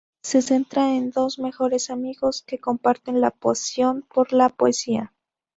Se centra en dos mejores amigos que comparten la pasión por la poesía.